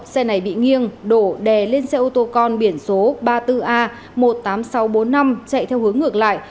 xe này bị nghiêng đổ đè lên xe ô tô con biển số ba mươi bốn a một mươi tám nghìn sáu trăm bốn mươi năm chạy theo hướng ngược lại